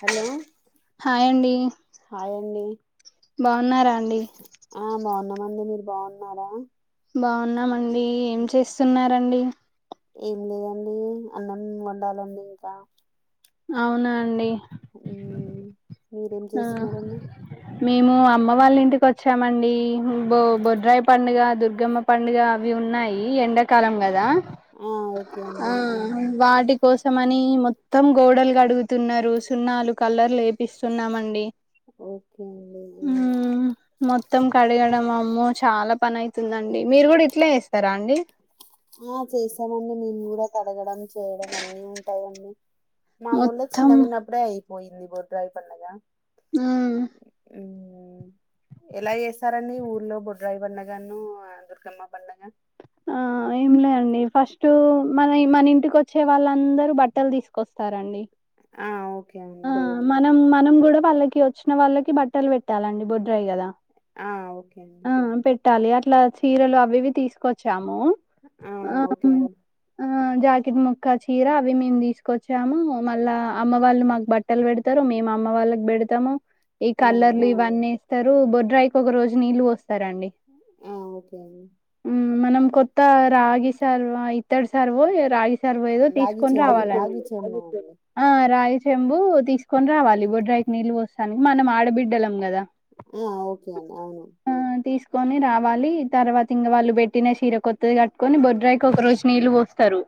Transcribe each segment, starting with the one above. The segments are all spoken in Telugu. హలో హాయ్ అండి హాయ్ అండి బాగున్నారా అండి ఆ బాగున్నామండి మీరు బాగున్నారా బాగున్నామండి ఏం చేస్తున్నరండి ఏం లేదండి అన్నం వండాలండి ఇంకా అవునా అండి ఊ మీరేం ఆ చేస్తున్నారండి మేము అమ్మ వాళ్ళ ఇంటికి వచ్చామండి బో బొడ్రాయి పండుగ దుర్గమ్మ పండుగ అవి ఉన్నాయి ఎండాకాలం కదా ఆ ఓకే అండి ఆ కోసమని మొత్తం గోడలు అడుగుతున్నారు సున్నాలు కలర్ లేపిస్తున్నామ అండి. ఇంకేం లెదు మొత్తం కడగడం అమ్మ చాలా పని అయితుందండి మీరు కూడా ఇట్లే చేస్తారా అండి ఆ చేసామండి మేము కూడా కడగడం చేయడం అన్ని ఉంటాయండి మా ఊర్లో మొత్తం చిన్నగాన్నప్పుడే అయిపోయింది బొడ్రాయీ పండగా హ్మ్ ఉ ఎలా చేస్తారండి ఊర్లో బొడ్రాయి పండగను దుర్గమ్మ పండగ ఆ ఏం లే అండి ఫస్ట్ మన మన ఇంటికి వచ్చే వాళ్ళందరూ బట్టలు తీసుకొస్తారండి ఆ ఓ ఆ మనం మనం కూడా వాళ్ళకి వచ్చిన వాళ్ళకి బట్టలు పెట్టాలండి బుడ్రాయి కదా ఆ ఓకే అండి ఆ పెట్టాలి అట్లా చీరలు అవి ఇవి తీసుకొచ్చాము ఆ ఓకే అండి ఆ జాకెట్ ముక్క చీర అవి మేము తీసుకొచ్చాము మళ్ళా అమ్మ వాళ్ళు మా పెడతారు మేము అమ్మ వాళ్ళకి పెడతాము ఈ ఆ కలర్లు ఇవన్నీ సరే బొడ్రాయికి ఒక రోజు నీళ్లు పోస్తారు అండి ఆ ఓకే అండి హ్మ్ మనం కొత్త రాగి సార్వా ఇత్తడు సార్వ రాగి సర్వ ఏదో రాగి తీసుకొని చెమ్ము రావాలండి రాగి చెమ్ము అండి ఆ రాగి చెంబు తీసుకొని రావాలి బొడ్రాయికి నీళ్ళు పోస్తానికి మనం ఆడబిడ్డలం కదా ఆ ఓకే అండి అవును ఆ తీసుకొని రావాలి తర్వాత ఇంగ వాళ్ళు పెట్టిన చీర కొత్తది కట్టుకొని బొడ్రాయికి ఒక రోజు నీళ్ళు పోస్తారు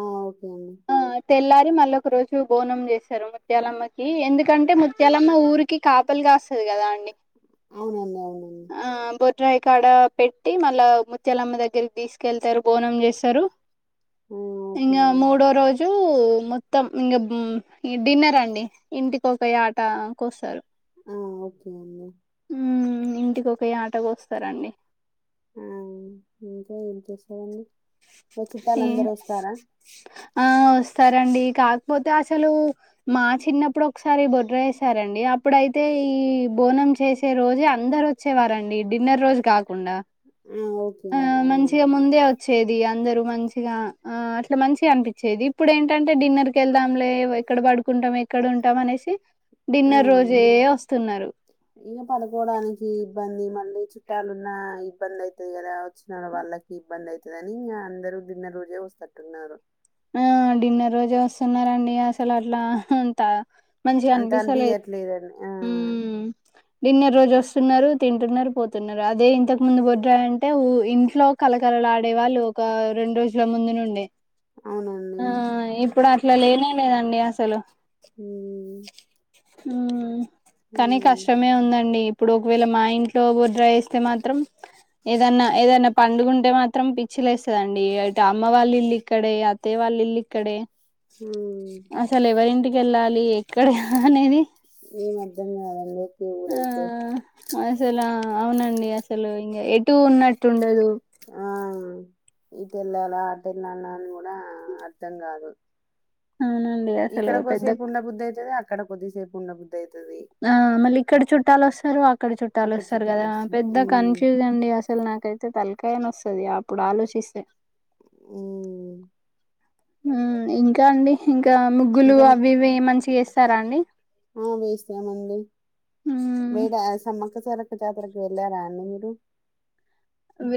ఆ ఓకే ఆ తెల్లారి మళ్ళీ ఒక రోజు బోనం చేస్త ముత్యాలమ్మకి ఎందుకంటే ముత్యాలమ్మ ఊరికి కాపలి కాస్తుంది కదా అండి అవునండి అవునండి రైకాడ పెట్టి మళ్ళా ముత్యాలమ్మ దగ్గరికి తీసుకెళ్తారు బోనం చేస్తారు ఆ ఓకే ఇంకా అండి మూడో రోజు మొత్తం ఇక ఈ డిన్నర్ అండి ఇంటికి ఒక యాట కోస్తారు హ ఓకే అండి ఉమ్ ఇంటికి ఒక యాట కోస్తారండి ఉమ్ ఇంకా ఏం చేస్తారండి ఇ ఈ చుట్టాలుందరూ వస్తారా ఆ వస్తారండి కాకపోతే అసలు మా చిన్నప్పుడు ఒకసారి బొడ్రాయ్ వేసారండి అప్పుడైతే ఈ బోనం చేసే రోజే అందరు వచ్చేవారండి డిన్నర్ రోజు కాకుండా ఆ ఓకే ఆ అండి అవునా మంచిగా ముందే వచ్చేది అందరూ మంచిగా ఆ అట్లా మంచిగా అనిపించేది ఇప్పుడు ఏంటంటే డిన్నర్ కీ వెల్దాములే ఎక్కడ పడుకుంటాం ఎక్కడ ఉంటాం అనేసి ఆ డిన్నర్ రోజే వస్తున్నారు ఇంకా పడుకోడానికి ఇబ్బంది మళ్ళీ చుట్టాలు ఉన్న ఇబ్బంది అయితది కదా వచ్చిన వాళ్ళకి ఇబ్బంది అయితుందిని ఇంకా అందరు డిన్నర్ రోజే వస్తట్టున్నారు ఆ డిన్నర్ రోజు వస్తున్నారండి అసలు అట్లా అంత మంచిగా అంతే అని బియ్యట్లేదండి హ్మ్ డిన్నర్ రోజు వస్తున్నారు తింటున్నారు పోతున్నారు అదే ఇంతకు ముందు బొడ్రాయి అంటే ఇంట్లో కలక కలఆడేవాళ్ళు ఒక రెండు రోజుల ముందు నుండే అవునా ఆ ఇప్పుడు అట్లా లేనే లేదండి అసలు ఉమ్ ఉమ్ కానీ అవునండి కష్టమే ఉందండి ఇప్పుడు ఒకవేళ మా ఇంట్లో బోడ్రాయి వేస్తే మాత్రం ఏదన్నా ఏదన్నా పండుగ ఉంటే మాత్రం పిచ్చి లేస్తదండి అ అమ్మ వాళ్ళ ఇల్లు ఇక్కడే అత్తయ్య వాళ్ళ ఇల్లు ఇక్కడే హ్మ్ అసలు ఎవరింటికి వెళ్ళాలి ఎక్కడ అనేది లోకి ఆ ఊరైతే అసలు అవునండి అసలు ఇంగా ఎటు ఉన్నట్టుండదు ఆ ఈటెల్లాల ఆటెల్లలా అని కూడా అర్థం కాదు అవునండి అసలు ఇక్కడ పెద్ద కొద్దిసేపు ఉండ బుద్ధి అయితుది అక్కడ కొద్దిసేపు ఉండబుద్ధి అయితది ఆ మళ్ళీ ఇక్కడ చుట్టాలు వస్తారు అక్కడ చుట్టాలు అక్కడ వస్తారు చుట్టాలు కదా వస్తారు పెద్ద హ్మ్ కన్ఫ్యూజ్ అండి అసలు నాకైతే తలకాయ నస్తుది అప్పుడు ఆలోచిస్తే ఊ ఊ ఇంకా అండి ఆ‌ ముగ్గులు ఇంకా అవి ఇవి మంచిగా చేస్తారా అండి ఉమ్ మీరు సమ్మక్క సారక్క జాతరకి వెళ్ళారా అండి మీరు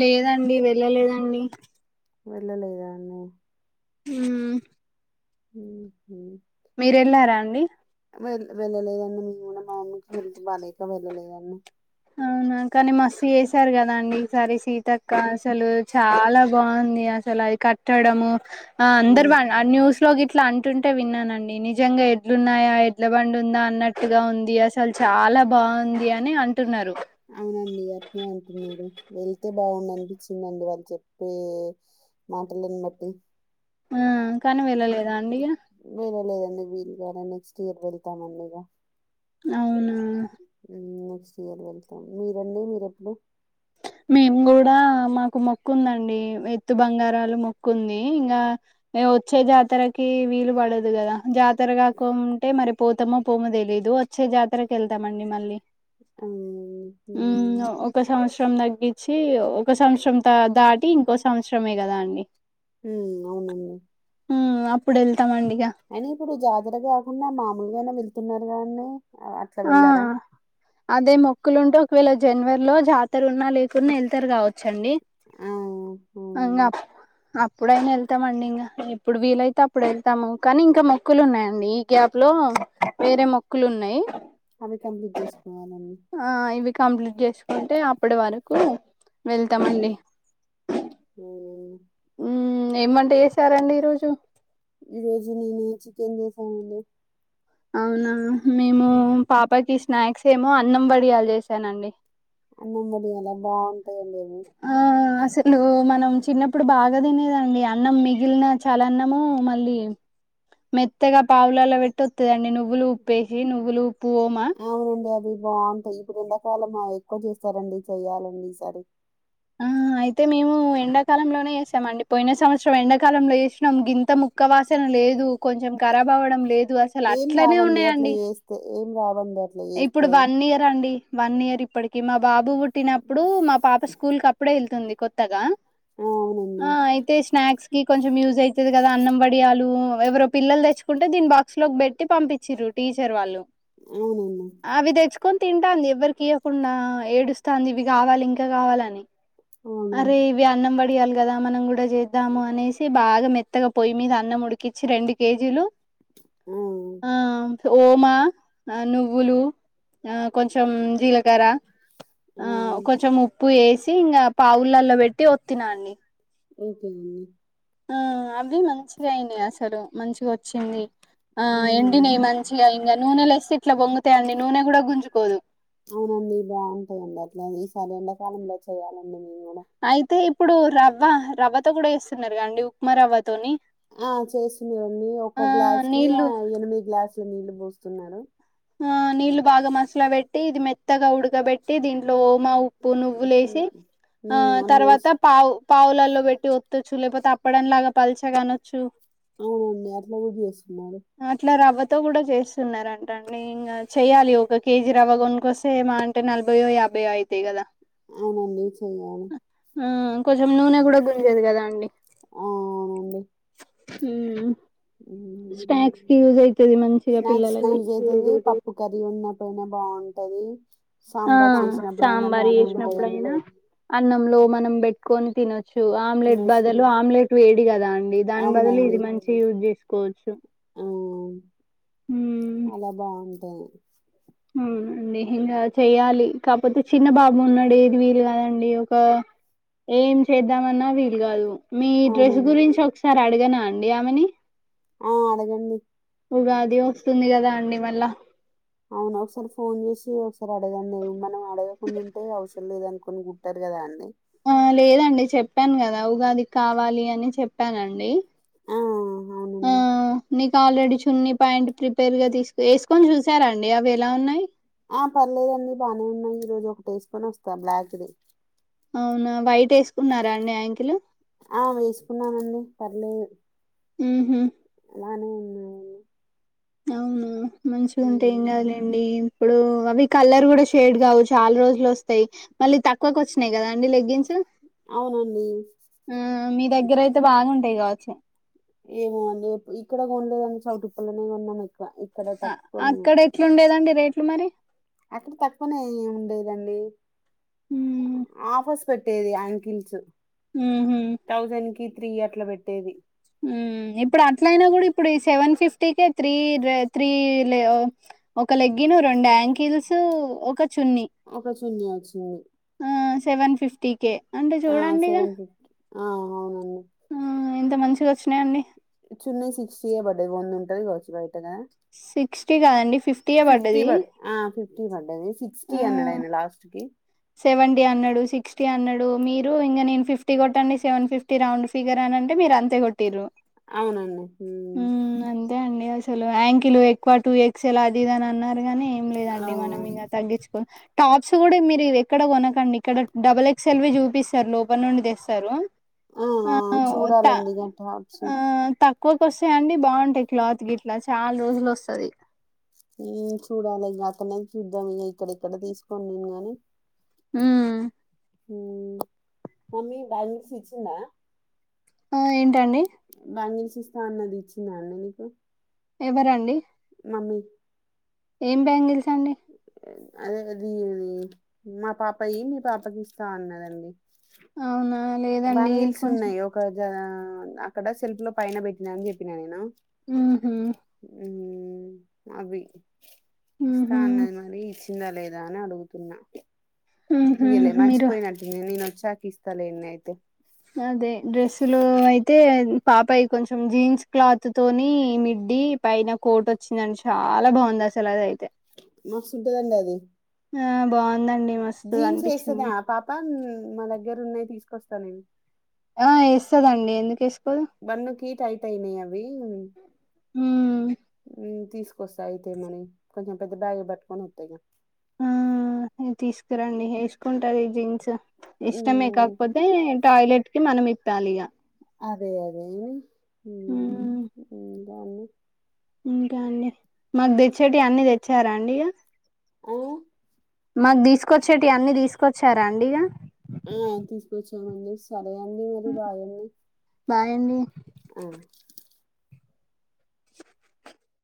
లేదండి వెళ్ళలేదండి వెళ్ళలేదా అండి ఊ హ మీర వెళ్లారా అండి వెళ్ వెళ్లలేదండి మేము కూడా మా మమ్మీకి హెల్త్ బాకలేక వెళ్ళలేదండి అవునా కానీ మస్తు చేసారు కదండి ఈసారి సీతక్క అసలు చాలా బాగుంది అస అలా అది కట్టడము ఆ అందరు అవునా ఆ న్యూస్ లో అట్లా అంటుంటే విన్నానండి నిజంగా ఎట్లున్నాయా ఎట్ల బండి ఉందా అన్నట్టుగా ఉంది అసలు చాలా బాగుంది అని అ అవునండి గట్నే అంటున్నారు వెళ్ బాగుంది అనిపించిందండి వాళ్ళు చెప్పే మాటలని బట్టి ఆ కానీ వెళ్ళలేదా అండి ఇగా అ వీలుగానే నెక్స్ట్ ఇయర్ వెళ్తామండి ఇక అవును నెక్స్ట్ ఇయర్ వెళ్తాం మీరన్నడి మీరు ఎప్పుడు మేము కూడా మాకు మొక్కు ఉందండి ఎత్తు బంగారాలు మొక్కు ఉంది ఇంకా వచ్చే జాతరకి వీలు పడదు కదా జాతర కాకుంటే మరి పోతామో పోమో తెలీదు వచ్చే జాతరకు వెళ్తామండి మళ్ళీ ఉ ఊ ఒ సంవత్సరం తగ్గించి ఒక సంవత్సరం దాటి ఇంకో సంవత్సరమే కదా అండి ఉ అవునండి అప్పుడు వెతు అయినా ఇప్పుడు జాతర కాకుండా మామూలుగా అయినా వెళ్తున్నారు కదండి అట్లా వెళ్ళార మోక్కులు ఉంటే ఒకవేళ జనవరిలో జాతర ఉన్నా లేకున్నా వెళ్తారు కావచ్చండి ఆ, అ అవునండి అప్ ఎప్పుడైనా వెళ్తామండి ఇంకా ఎప్పుడు వీలైతే అప్పుడు వెళ్తాము కానీ ఇంకా మొక్కులు ఉన్నాయండి ఈ గ్యాప్లో వేరే మొక్కులు ఉన్నాయి అనీ కన్ఫ్యూజ్ జేసి ఆ ఇవి కంప్లీట్ చేసుకుంటే అప్పటి వరకు వెళ్తామండి అ ఉ ఏమ్ వంట చేసారండి ఈరోజు ఈరోజు నేను చికెన్ చేసానండి అవునా మేము పాపకి స్నాక్స్ ఏమో అన్నం వడియాలు చేసానండి అన్నం వడియాల బాగుంటాయండి అవి ఆ అసలు మనం చిన్నప్పుడు బాగా తినేదండి అన్నం మిగిలిన చాలా అన్నము మళ్ళీ మెత్తగా పావులలో పెట్టి వస్తుందండి నువ్వులు ఉప్పేసి నువ్వులు ఉప్పు ఓమా నావున్గాదు బావుంటాయ్ ఇప్పుడు ఎండాకాలం ఎక్కువ చేస్తారండి చెయ్యాలండి ఈ సారి. ఆ అయితే మేము ఎండాకాలంలోనే చేస్తాం అండి పోయిన సంవత్సరం ఎండాకాలంలో చేసినాం గింత ముక్క. వాసన లేదు కొంచెం ఖరాబ్ అవ్వడం లేదు అసలు ఏం అట్లనే రావండి ఉన్నాయండ అట్లా చేస్తే ఏం రావండి అట్లా ఇప్పుడు చేస్తే వన్ ఇయర్ అండి వన్ ఇయర్ ఇప్పటికి మా బాబు పుట్టినప్పుడు మా పాప స్కూల్ కప్పుడే ఎళ్తుంది కొత్తగా. ఆ, అవునండి ఆ అయితే స్నాక్స్ గి కొంచెం యూజ్ అయితది కదా అన్నం వడియాలు ఎవరో పిల్లలు తెచ్చుకుంటే దీని బాక్స్ లోగ్ బెట్టి పంపించిర్రు. టీచర్ వాళ్ళు అవునండి అవి తెచ్చుకొన్ తింటాంది ఎవ్వరికియ్వకుండా ఏడుస్తాంది ఇవి కావాలి ఇంకా కావాలని. అవునండి అరే ఇవి అన్నం వడి డియాలి కదా మనం కూడా చేద్దాము అనేసి బాగా మెత్తగా పోయి మీద అన్నం ఉడికిచ్చి రెండు కేజీలు. అవున్ ఆ ఓమా ఆ నువ్వులు ఆ కొంచెం జీలకర ఆ ఉమ్, కొంచెం ఉప్పు ఎసి ఇంగ పావులల్లో పెట్టి ఒత్తినాడ్ని. ఏం చేయున్ని ఆ అవి మంచిగా అయినీ అసలు మంచిగా వచ్చింది ఆ ఉమ్, ఎండినీ మంచిగా అయి ఇంగ నూనెలో ఎస్తే ఇట్లా పొంగతాయండి నూనె కూడా గుంజుకోదు. అవునండి బావుంటాయండి అట్లా ఈసారి ఎండాకాలంలో చేయ్యాలండి. అయితే ఇప్పుడు రవ్వ రవ్వతో కూడా ఎస్తున్నార్ గా అండి ఉప్మా రవ్వతోని. ఆ చేస్తున్నారండి ఒక్క ఆ గ్లాస్ కి ఆ నీళ్లు ఎనిమిది గ్లాసుల నీళ్లు పోస్తున్నారు. ఆ నీళ్లు బాగా మసలా బెట్టి ఇది మెత్తగా ఉడకబెట్ ట్టి దీంట్లో ఓమా ఉప్పు నువ్వు లేసి పో- ఆ ఉమ్, అన్నీ తర్వాత వేసి- పావు. పావులల్లో బెట్టి వత్తొచ్చు లేకపోతే అప్పడం లాగా పల్చగా అనొచ్చు. అవునండి అట్లా గూడా జేస్తున్నారు. తొ గూడా చేస్తున్నారండి. రన్ ఇంగ చేయాలి ఒక కేజీ రవ్వ గొనుకొస్తే మా అంటే నలభయో యాభైయో అయితయ్ కదా. అవునండి చేయాలి ఆ కొంచం నూనె కూడా గుంజదు కదా అండి ఆ అవునండి హ్మ్ స్నాక్స్ కి యూజ్ అయితది మంచిగా స్నాక్స్ పిల్లలకి. డైనా బావుంటది ఆ సాంబార్ చేసినప్పుడైనా సాంబార్ బానే ఉంటాయ్ అన్ని చేసినప్పుడయినా అన్నంలో మనం బెట్టుకొన్ తినొచ్చు ఆమ్లెట్ తినొచ్చు బదులు ఆమ్లెట్ వేడి కదా అండి దాని బదులు ఇది మంచి యూజ్ జేస్కోవచ్చు. హ్మ్ అలా బావుంటయ్. హ్మ్ అండి ఏం కాదు చెయ్యాలి కాకపోతే చిన్న బాబు ఉన్నాడు ఏది వీలు కాదండి ఒక. ఏం చేద్దామన్నా వీలు కాదు. మీ డ్రెస్ అవునండి గురించి ఒకసారి అడగనా అండి ఆమెని. ఉమ్ అడగండి ఉగాది వస్తుంది కదా అండి మళ్ళ అవును ఒకసారి ఫోన్ చేసి ఒకసారి అడగండి మనం అడగకుండ ఉంటే అవసరం లేదు అనుకొని గుట్టారుగ. కదాండి ఆ లేదండి చెప్పాను కదా ఉగాది కావాలి అని చెప్పానండి. ఆ అవునండి ఆహ్ నీక్ ఆల్రెడీ చున్ని పాయింట్ ప్రిపేర్ గా తీసు ఎస్కొని చూసారా అండి అవి ఎలా ఉన్నాయి. ఆ పర్లేదండి బానే ఉన్నాయ్ ఈ రోజు ఒక ఎస్కొని వస్తా బ్లాక్ ది. అవునా వైట్ ఎస్కున్నారా అండి యంకిలు. ఆ వేసుకున్నానండి పర్లేదు ఉమ్ హు అలానే ఉన్నాయని అవును మంచిగుంటే ఏం కాదులెండి ఇప్పుడు అవి కలర్ కూడా షేడ్ కావు చాలా రోజులు వస్తాయి మళ్ళీ తక్కువకు వచ్చినాయి కదా అండి లెగ్గిన్స్ అవునండి ఉమ్ మీ దగ్గరయితే బాగుంటాయి కావచ్చు ఏమో అండి ఇక్కడ కొనలేదండి చౌటి పల్లనే కొన్నాం ఎక్కువ ఇక్కడ అ తక్కువనే అక్కడ ఎట్లుండేదండి రేట్లు మరి అక్కడ తక్కువనే అయ్యి ఉండేదండి. ఆఫస్ పెట్టేది యాంకిల్స్ ఉహు థౌజండ్ కి త్రీ అట్లా పెట్టేది ఉమ్ ఇప్పుడు అట్లయినా కూడా ఇప్పుడు ఈ సెవెన్ ఫిఫ్ ఫ్టీ కే త్రీ డ్రై త్రీ లే ఒక లెగ్గిన్ రెండు యాంకిల్స్ ఒక చున్నీ ఒక చిన్ని వచ్చింది సెవన్ ఫిఫ్టీ కె ఆ సెవెన్ ఫిఫ్టీ ఆ అవునండి ఆ ఎంత మంచిగా వచ్చినాయండి చిన్ని సిక్స్టీయే పడ్డది వంద ఉంటది కావచ్చు బయటగా సిక్స్టీ కాదండి ఫి ఫిఫ్టీ పడ్ ఆ ఫిఫ్టీ పడ్డది సిక్స్టీ ఆ అన్నాడు ఆయన లాస్ట్ కి సెవెంటీ అన్నాడు సిక్స్టీ అన్నాడు మీరు ఇంకా నేను ఫిఫ్టీ కొట్టండి సెవెన్ ఫిఫ్టీ రౌండ్ ఫిగర్ అని అంటే మీరు అంతే కొట్టిరు అవునండి ఉమ్ అంతే అండి అసలు యాంకిలు ఎక్కువ టూ ఎక్సెల్ అది ఇది అని అన్నారు గానీ ఏం ఆ లేదండి మనం ఇంకా తగ్గించుకో టాప్స్ కూడా మీరు ఇవి ఇక్కడ కొనకండి ఇక్కడ డబల్ ఎక్స్ ఎల్వి చూపిస్తారు లోపల నుండి తెస్తారు ఆ ఆ చూడాలండి గా టాప్సు కో వస్తె అండి బాగుంటాయి క్లాత్ గిట్లా చాలా రోజులు వస్తది ఉమ్ చూడాలి ఇంక అక్కనే చూద్దాం ఇంగ ఇక్కడ ఎక్కడ తీసుకోని నేను గాని ఉమ్ ఉమ్ మమ్మీ బ్యాంగిల్స్ ఇచ్చిందా ఆ ఏంటండి బ్యాంగిల్స్ ఇస్తా అన్నది ఇచ్చిందా అండి మీకు ఎవరండి మమ్మి ఏం బ్యాంగిల్ అదేగది మా పాపయి మీ పాపకి ఇస్తా అన్నదండి అవునా లేదండి బ్యాంగిల్స్ కొంచెం ఉన్నాయి ఒక జ అక్కడ సెల్ఫ్ లో పైన పెట్టిన అని చెప్పినా నేను ఉమ్ హు ఉమ్ అవి ఇస్తా ఉహు అన్నది మరి చిందా లేదా అని అడుగుతున్నా ఉహు ఇయలే మీరు మర్చిపోయినట్ ఉంది నేను వచ్ చాక ఇస్తలెండి అయి అదే డ్రెస్సులు అయితే పాపయి కొంచెం జీన్స్ క్లాత్ తోని మిడ్డి పైన కోట్ వచ్చిందండి చాలా బాగుంది అసలు అదైతే మస్తుంటదండీ అది ఆ బాగుందండి మస్తు జీన్స్ వేస్తదా అనిపించింది పాప మ్ మా దగ్గర ఉన్నాయి తీసుకొస్తా నేను ఆ ఎస్తదండి ఎందుకేస్ బన్ను కి టైట్ అయినాయి అవి ఉమ్ తీసుకొస్తా అయితే మనీ కొంచెం పెద్ద బ్యాగ్ పట్టుకొని వత్త ఇగ ఆ తీసుకురండి వేసుకుంటారు ఈ జీన్స్ ఇష్టమే హ్మ్. కాకపోతే టాయిలెట్ కి మనం ఇప్పాలి ఇక అదే అదే హ మమి ఇంకా అండి మాకు తెచ్చేటివి అన్నిీ తెచ్చారా అండి ఇక ఓ మాకు తీసుకొచ్చేటివివన్నీ తీసుకొచ్చారా అండి ఇక ఆ తీసుకొచ్చా అం సాల అళడి మరి భాయన్ని బాయ్ అండి ఆ